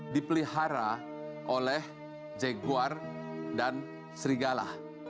dipelihara oleh jaguar dan serigala